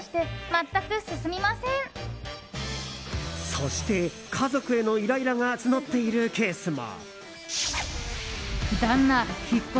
そして家族へのイライラが募っているケースも。